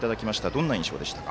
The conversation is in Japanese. どんな印象でしたか？